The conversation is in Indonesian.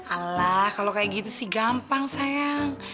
alah kalau kayak gitu sih gampang sayang